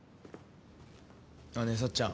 ねぇさっちゃん。